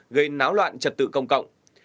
gây náo loạn trật tự công cộng